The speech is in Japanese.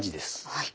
はい。